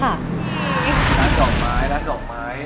ร้านดอกไม้ร้านดอกไม้